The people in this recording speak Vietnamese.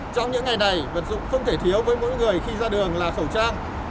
trong những ngày này vật dụng không thể thiếu với mỗi người khi ra đường là khẩu trang